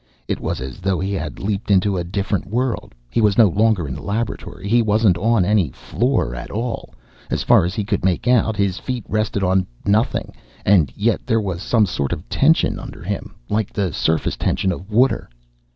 It was as though he had leaped into a different world. He was no longer in the laboratory. He wasn't on any, floor at all, as far as he could make out. His feet rested on nothing and yet there was some sort of tension under him like the surface tension of water.